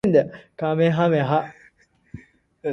かめはめ波